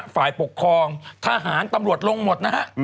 ฝ่ายปกครองทหารตำรวจลงหมดนะฮะ